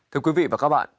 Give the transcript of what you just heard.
thưa quý vị và các bạn